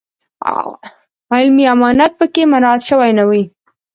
علمي امانت په کې مراعات شوی نه وي.